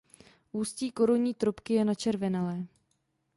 Ústí korunní trubky je načervenalé.